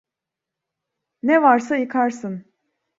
Ne varsa yıkarsın!